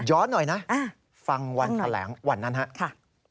ย้อนหน่อยนะฟังวันแหล่งวันนั้นค่ะ